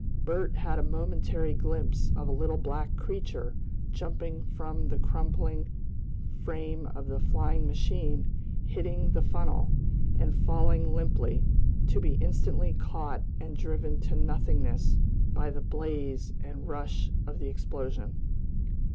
Bert had a momentary glimpse of a little black creature jumping from the crumpling frame of the flying machine, hitting the funnel, and falling limply, to be instantly caught and driven to nothingness by the blaze and rush of the explosion.